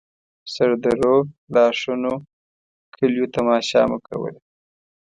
سردرو، لاښونو، کليو تماشه مو کوله.